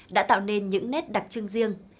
đã tạo nên những nét đặc trưng riêng